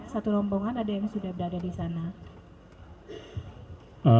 satu rombongan ada yang sudah berada di sana